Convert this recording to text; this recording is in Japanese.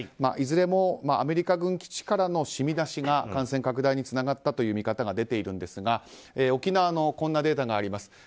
いずれもアメリカ軍基地からの染み出しが感染拡大につながったという見方が出ているんですが沖縄のこんなデータがあります。